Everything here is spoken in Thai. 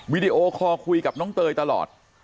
วิดีโอคอลคุยกับน้องเตยตลอด